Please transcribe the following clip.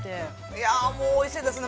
◆いや、もうおいしいですね。